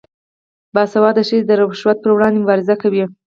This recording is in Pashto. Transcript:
باسواده ښځې د رشوت پر وړاندې مبارزه کوي.